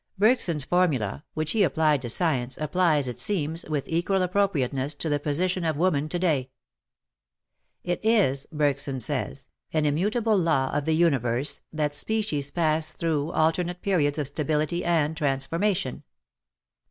Bergson's formula, which he applied to science, applies, it seems, with equal appro priateness to the position of woman to day. "It is," Bergson says, "an immutable law of the universe, that species pass through alternate periods of stability and transformation.